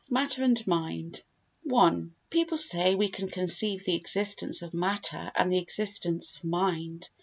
Matter and Mind i People say we can conceive the existence of matter and the existence of mind.